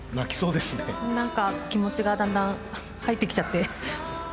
何か気持ちがだんだん入ってきちゃって。